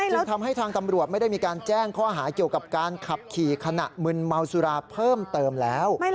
ทำให้ทางตำรวจไม่ได้มีการแจ้งข้อหาเกี่ยวกับการขับขี่ขณะมึนเมาสุราเพิ่มเติมแล้ว